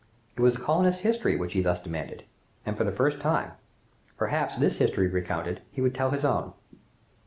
It was the colonists' history which he thus demanded, and for the first time. Perhaps this history recounted, he would tell his own.